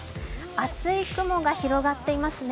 厚い雲が広がっていますね。